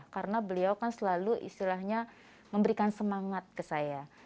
karena beliau selalu memberikan semangat ke saya